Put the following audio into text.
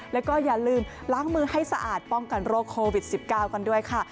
แล้วก็อย่าลืมล้างมือให้สะอาดป้องกันโรคโควิด๑๙กันด้วยค่ะ